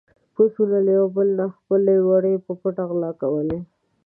پسونو له يو بل نه خپل وړي په پټه غلا کولې.